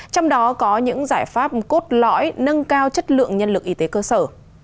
trong đó có những giải pháp cốt lõi nâng cao chất lượng nhân lực y tế cơ sở